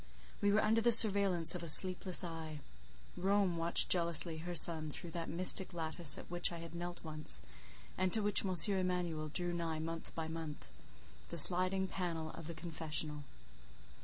We were under the surveillance of a sleepless eye: Rome watched jealously her son through that mystic lattice at which I had knelt once, and to which M. Emanuel drew nigh month by month—the sliding panel of the confessional.